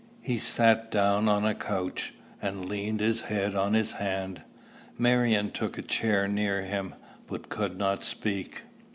He sat down on a couch, and leaned his head on his hand. Marion took a chair near him, but could not speak.